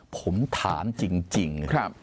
ผมถามจริง